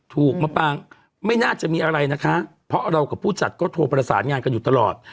ถูกมาปางไม่น่าจะมีอะไรนะคะเพราะเรากับผู้จัดก็โทรประสานงานกันอยู่ตลอด